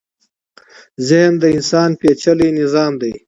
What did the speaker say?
ذهن د انسان پېچلی نظام دی.